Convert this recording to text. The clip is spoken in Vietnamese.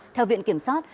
theo viện kiểm sát